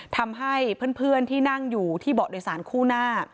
ทำให้เพื่อนที่นั่งอยู่ที่เบาะโดยสารคู่หน้า